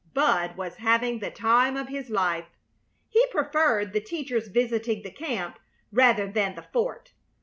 Bud was having the time of his life. He preferred the teacher's visiting the camp rather than the fort.